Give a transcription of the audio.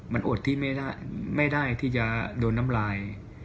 มันอดที่ไม่ได้ที่จะโดนน้ำลาย